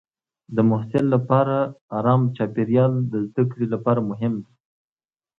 د محصل لپاره ارام چاپېریال د زده کړې لپاره مهم دی.